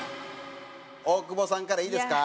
大久保さんからいいですか？